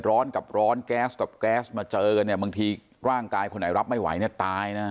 ร้อนกับร้อนแก๊สกับแก๊สมาเจอบางทีร่างกายคนไหนรับไม่ไหวตายนะ